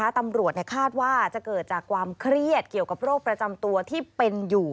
ตำรวจคาดว่าจะเกิดจากความเครียดเกี่ยวกับโรคประจำตัวที่เป็นอยู่